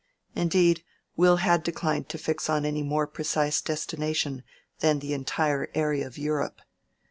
Indeed, Will had declined to fix on any more precise destination than the entire area of Europe.